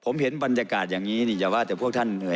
ผมเห็นบรรยากาศอย่างงี้นี่จะว่าแต่พวกท่านนะ